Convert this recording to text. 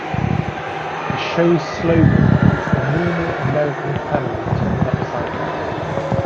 The show's slogan is The normal American family turned upside down.